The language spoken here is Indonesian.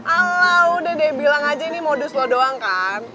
ala udah deh bilang aja ini modus lo doang kan